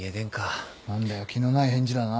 何だよ気のない返事だな。